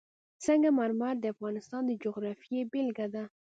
سنگ مرمر د افغانستان د جغرافیې بېلګه ده.